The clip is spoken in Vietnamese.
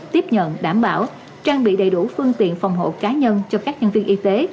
tiếp nhận đảm bảo trang bị đầy đủ phương tiện phòng hộ cá nhân cho các nhân viên y tế